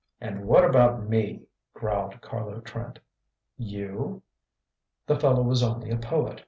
"And what about me?" growled Carlo Trent. "You?" The fellow was only a poet.